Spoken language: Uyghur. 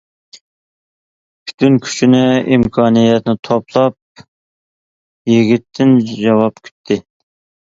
پۈتۈن كۈچىنى، ئىمكانىيەتنى توپلاپ، يىگىتتىن جاۋاب كۈتتى.